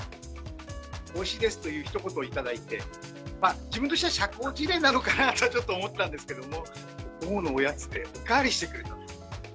おいしいですというひと言を頂いて、まあ、自分としては社交辞令なのかなとちょっと思ったんですけども、午後のおやつでおかわりしてくれた。